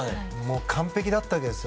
完璧だったです。